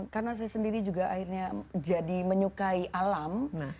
karena saya sendiri juga akhirnya jadi menyukai alam